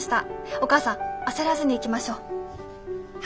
お母さん焦らずにいきましょう。